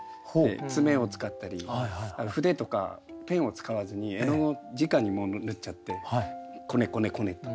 爪を使ったり筆とかペンを使わずに絵の具をじかに塗っちゃってこねこねこねと。